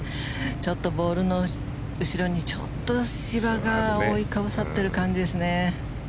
ちょっとボールの後ろに芝が覆いかぶさってる感じですね。